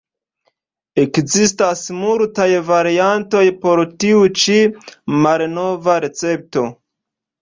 Ekzistas multaj variantoj por tiu ĉi malnova recepto.